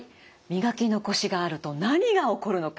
磨き残しがあると何が起こるのか。